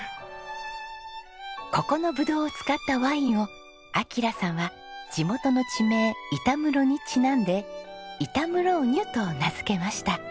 ここのブドウを使ったワインを晶さんは地元の地名板室にちなんでイタムローニュと名付けました。